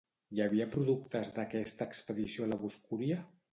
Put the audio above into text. Hi havia productes d'aquesta expedició a la boscúria?